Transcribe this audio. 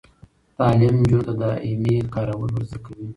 تعلیم نجونو ته د ای میل کارول ور زده کوي.